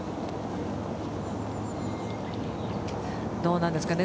どうなんですかね